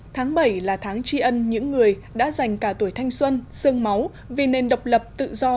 tháng bảy là tháng tri ân những người đã dành cả tuổi thanh xuân sương máu vì nền độc lập tự do